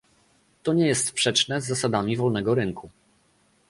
To nie jest sprzeczne z zasadami wolnego rynku